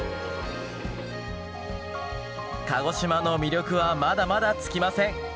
鹿児島の魅力はまだまだ尽きません。